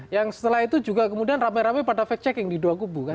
yang setelah itu juga kemudian rame rame pada fact checking di dua gubu kan